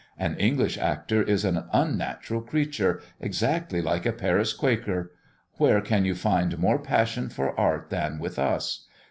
An English actor is an unnatural creature, exactly like a Paris Quaker. Where can you find more passion for art than with us!